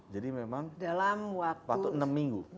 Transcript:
jadi memang waktu enam minggu